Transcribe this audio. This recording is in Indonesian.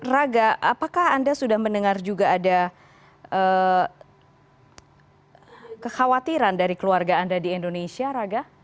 raga apakah anda sudah mendengar juga ada kekhawatiran dari keluarga anda di indonesia raga